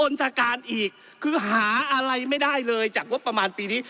จากการอีกคือหาอะไรไม่ได้เลยจากงบประมาณปีนี้